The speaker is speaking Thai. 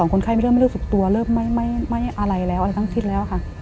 คนไข้ไม่เริ่มไม่รู้สึกตัวเริ่มไม่อะไรแล้วอะไรทั้งสิ้นแล้วค่ะ